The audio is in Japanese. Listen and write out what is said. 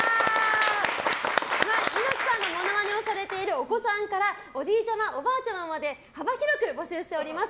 猪木さんのモノマネをされているお子さんからおじいちゃま、おばあちゃままで幅広く募集しています！